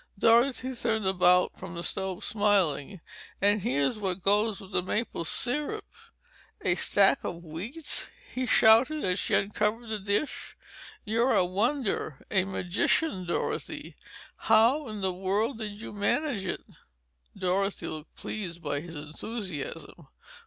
Dorothy turned about from the stove, smiling. "And here's what goes with the maple syrup!" "A stack of wheats!" He shouted as she uncovered the dish. "You're a wonder, a magician, Dorothy. How in the world did you manage it?" Dorothy laughed, pleased by his enthusiasm.